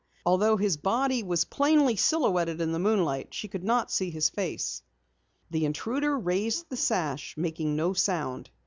Although his body was plainly silhouetted in the moonlight, she could not see his face. The intruder raised the sash, making no sound.